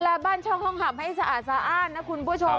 และบ้านช่องห้องห่ำให้สะอาดสะอ้านนะคุณผู้ชม